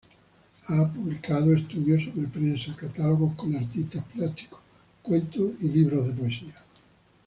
Ha publicado estudios sobre prensa, catálogos con artistas plásticos, cuentos y libros de poesía.